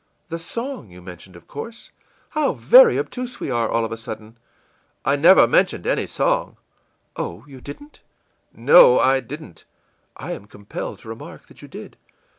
î ìThe song you mentioned, of course, How very obtuse we are, all of a sudden!î ìI never mentioned any song.î ìOh, you didn't?î ìNo, I didn't!î ìI am compelled to remark that you did.